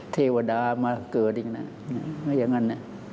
เทวดามาเกิดอย่างนั้น